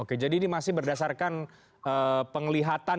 oke jadi ini masih berdasarkan penglihatan dari foto yang kemudian di penglihatkan